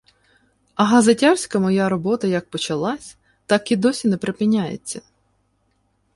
А газетярська моя робота як почалася, так і досі не припиняється.